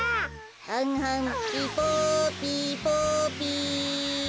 はんはんピポピポピ。